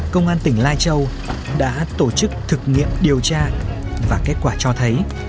công an tỉnh lai châu đã tổ chức thực nghiệm điều tra và kết quả cho thấy